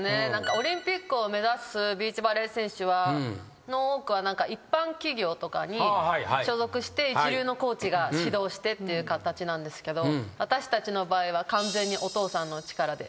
オリンピックを目指すビーチバレー選手の多くは一般企業とかに所属して一流のコーチが指導してっていう形なんですけど私たちの場合は。